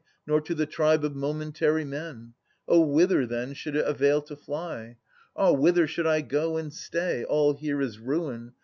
Nor to the tribe of momentary men. — Oh, whither, then. Should it avail to fly ? Ah ! whither should I go and stay ? All here is ruin.